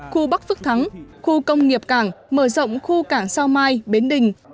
khu bắc phước thắng khu công nghiệp cảng mở rộng khu cảng sao mai bến đình